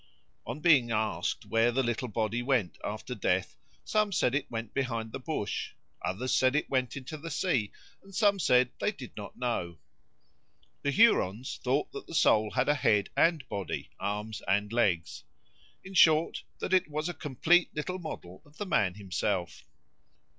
On being asked where the little body went after death, some said it went behind the bush, others said it went into the sea, and some said they did not know. The Hurons thought that the soul had a head and body, arms and legs; in short, that it was a complete little model of the man himself.